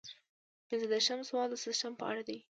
پنځه دېرشم سوال د سیسټم په اړه دی.